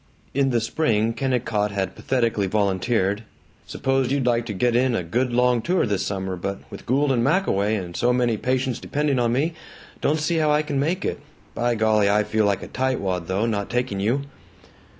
In the spring Kennicott had pathetically volunteered, "S'pose you'd like to get in a good long tour this summer, but with Gould and Mac away and so many patients depending on me, don't see how I can make it. By golly, I feel like a tightwad though, not taking you."